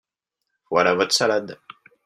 Voilà votre salade.